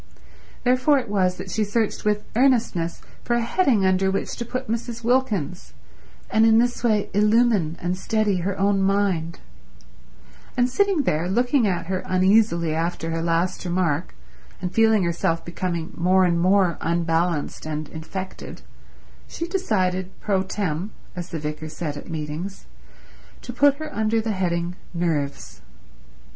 Therefore it was that she searched with earnestness for a heading under which to put Mrs. Wilkins, and in this way illumine and steady her own mind; and sitting there looking at her uneasily after her last remark, and feeling herself becoming more and more unbalanced and infected, she decided pro tem, as the vicar said at meetings, to put her under the heading Nerves.